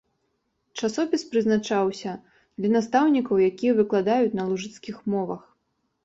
Часопіс прызначаўся для настаўнікаў, якія выкладаюць на лужыцкіх мовах.